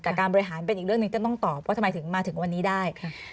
แต่การบริหารเป็นอีกเรื่องหนึ่งต้องตอบว่าทำไมถึงมาถึงวันนี้ได้